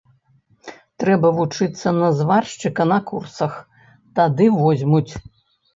Трэба вучыцца на зваршчыка на курсах, тады возьмуць.